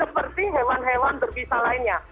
seperti hewan hewan terbisa lainnya